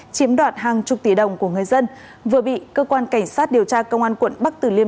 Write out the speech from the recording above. chiếm đoạt hàng chục tỷ đồng của người dân vừa bị cơ quan cảnh sát điều tra công an quận bắc tử liêm